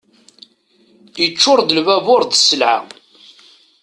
Iččur-d lbabur d sselɛa.